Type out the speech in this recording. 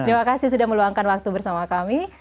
terima kasih sudah meluangkan waktu bersama kami